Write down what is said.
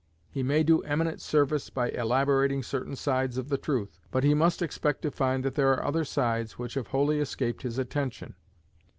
He may do eminent service by elaborating certain sides of the truth, but he must expect to find that there are other sides which have wholly escaped his attention.